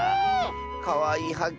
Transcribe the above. かわいいはっ